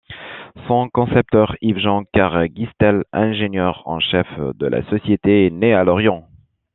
Son concepteur, Yves Jan-Kerguistel, ingénieur en chef de la société, est né à Lorient.